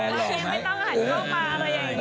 เยอะอยู่